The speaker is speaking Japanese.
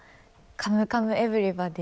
「カムカムエヴリバディ」